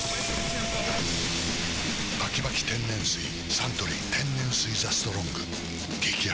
サントリー天然水「ＴＨＥＳＴＲＯＮＧ」激泡